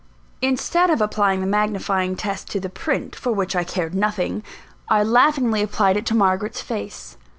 Instead of applying the magnifying test to the print, for which I cared nothing, I laughingly applied it to Margaret's face.